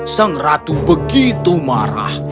sang ratu begitu marah